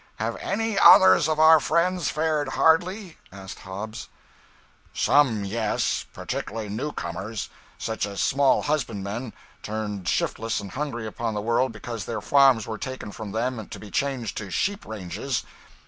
"Have any others of our friends fared hardly?" asked Hobbs. "Some yes. Particularly new comers such as small husbandmen turned shiftless and hungry upon the world because their farms were taken from them to be changed to sheep ranges.